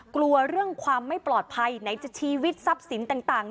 กลัวเรื่องความไม่ปลอดภัยไหนจะชีวิตทรัพย์สินต่าง